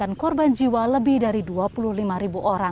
enggak sk neitherara apa kadang dua pelajaran